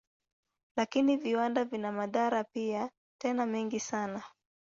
Lakini viwanda vina madhara pia, tena mengi sana.